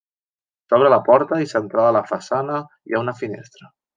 Sobre la porta, i centrada a la façana, hi ha una finestra.